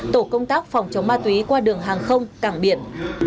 tổ công tác phòng chống ma túy qua đường hàng không cảng biển